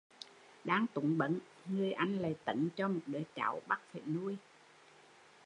Đang túng bấn, người anh lại tấn cho một đứa cháu bắt phải nuôi